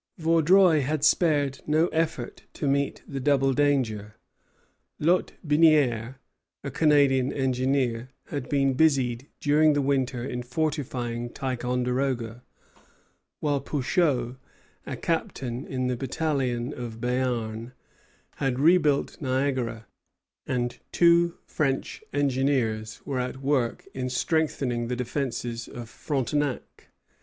Vaudreuil had spared no effort to meet the double danger. Lotbinière, a Canadian engineer, had been busied during the winter in fortifying Ticonderoga, while Pouchot, a captain in the battalion of Béarn, had rebuilt Niagara, and two French engineers were at work in strengthening the defences of Frontenac.